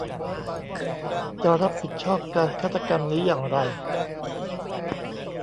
จะรับผิดชอบการฆาตกรรมนี้อย่างไร ?